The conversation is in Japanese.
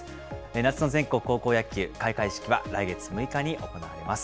夏の全国高校野球、開会式は来月６日に行われます。